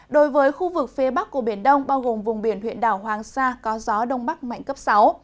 đối với khu vực phía bắc của biển đông bao gồm vùng biển huyện đảo hoàng sa có gió đông bắc mạnh cấp sáu